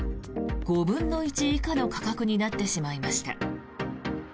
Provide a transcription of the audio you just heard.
５分の１以下の価格になってしまいました。